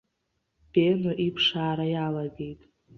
Бено иԥшаара иалагеит.